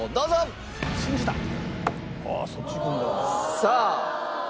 さあ。